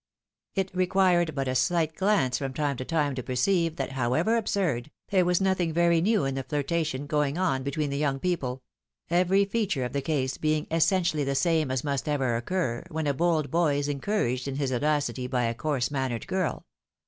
It required but a slight glance from time to time to perceive, that however absurd, there was nothing very new in the flirta tion going on between the young people ; every feature of the case being essentially the same as must ever recur, when a bold boy is encouraged in his audacity by a coarse mannered girl.